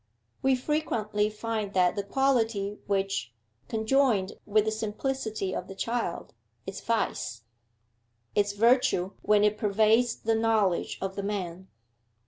We frequently find that the quality which, conjoined with the simplicity of the child, is vice, is virtue when it pervades the knowledge of the man.